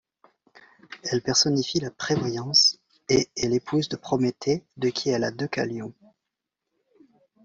Elle personnifie la Prévoyance et est l'épouse de Prométhée, de qui elle a Deucalion.